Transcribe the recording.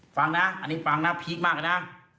ฟังนะอันนี้ฟังนะพีคมากเลยนะ